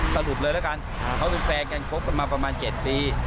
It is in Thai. สรุปเลยแล้วกันเขาเป็นแฟนกันคบกันมาประมาณ๗ปี